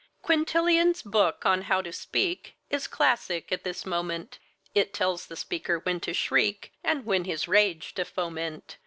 Quintilian's book on How to Speak Is classic at this moment; It tells the speaker when to shriek And when his rage to foment.